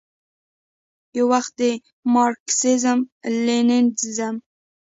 یووخت د مارکسیزم، لیننزم،